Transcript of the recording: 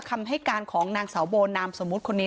คำให้การของนางสาวโบนามสมมุติคนนี้